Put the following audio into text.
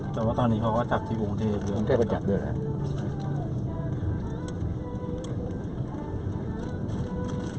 แต่ว่าตอนนี้เขาก็จับที่อุงเทศอุงเทศก็จับด้วยนะฮะ